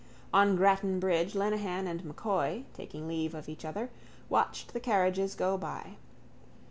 On Grattan bridge Lenehan and M'Coy, taking leave of each other, watched the carriages go by.